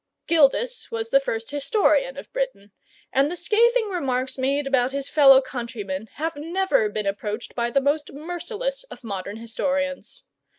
Gildas was the first historian of Britain, and the scathing remarks made about his fellow countrymen have never been approached by the most merciless of modern historians.